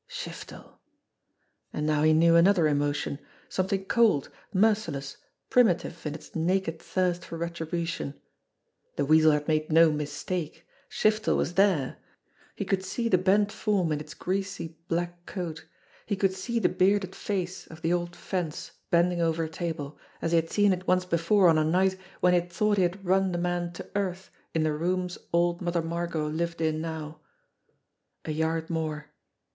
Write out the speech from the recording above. Shiftel! And now he knew another emotion something cold, merciless, primitive in its naked thirst for retribution. The Weasel had made no "mistake!" Shiftel was there! He could see the bent form in its greasy black coat ; he could see the bearded face of the old "fence" bending over a table, 150 JIMMIE DALE AND THE PHANTOM CLUE as he had seen it once before on a night when he had thought he had run the man to earth in the rooms old Mother Margot lived in now. A yard more!